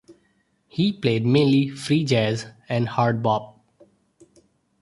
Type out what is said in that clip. He played mainly free jazz and hard bop.